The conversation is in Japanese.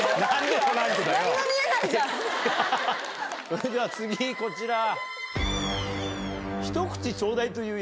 それでは次こちら。